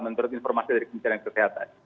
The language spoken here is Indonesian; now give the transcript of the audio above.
menurut informasi dari kementerian kesehatan